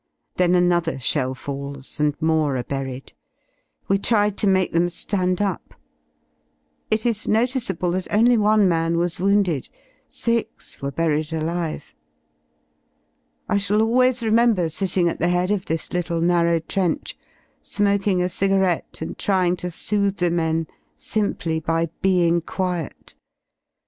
Then another shell falls and more are buried. We tried to make them ^and up. It is noticeable that only one man was wounded; six were buried alive. I shall always remember sitting at the head of this little narrow trench, smoking a cigarette and trying to soothe the men simply byTemg quiet.